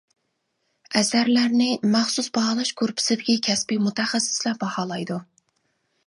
ئەسەرلەرنى مەخسۇس باھالاش گۇرۇپپىسىدىكى كەسپى مۇتەخەسسىسلەر باھالايدۇ.